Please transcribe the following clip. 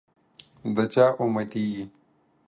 دچا اُمتي يی؟